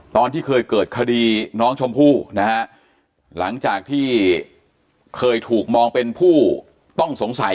ตอนที่เคยเกิดคดีน้องชมพู่นะฮะหลังจากที่เคยถูกมองเป็นผู้ต้องสงสัย